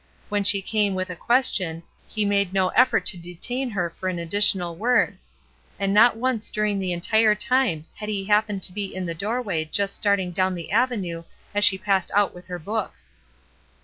When she came with a question, he made no effort to detain her for an additional word; and not once during the entire time had he happened to be in the door way just starting down the avenue as she passed out with her books.